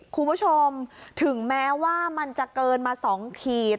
คุณผู้ชมถึงแม้ว่ามันจะเกินมา๒ขีด